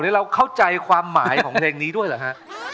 เราเข้าใจความหมายของเพลงนี้ด้วยเหรอฮะ